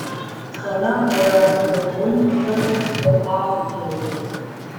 Trenner gehören zu den Grundbegriffen der Graphentheorie.